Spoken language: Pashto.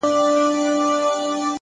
مجبوره ډمه یمه راشه که نه